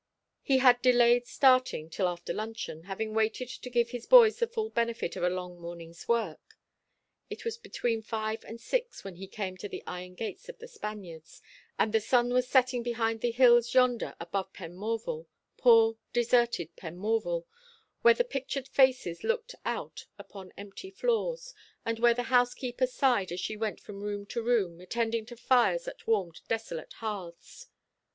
He had delayed starting till after luncheon, having waited to give his boys the full benefit of a long morning's work. It was between five and six when he came to the iron gates of The Spaniards, and the sun was setting behind the hills yonder above Penmorval, poor deserted Penmorval, where the pictured faces looked out upon empty floors, and where the housekeeper sighed as she went from room to room, attending to fires that warmed desolate hearths.